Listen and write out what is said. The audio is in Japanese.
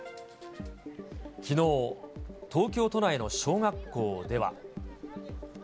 きのう、東京都内の小学校では。